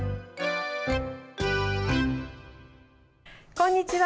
こんにちは。